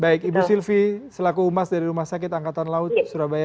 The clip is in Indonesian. baik ibu sylvi selaku umas dari rumah sakit angkatan laut surabaya